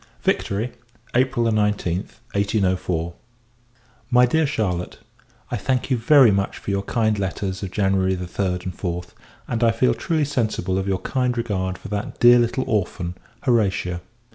Victory, April 19th, 1804. MY DEAR CHARLOTTE, I thank you very much for your kind letters of January 3d, and 4th; and I feel truly sensible of your kind regard for that dear little orphan, Horatia.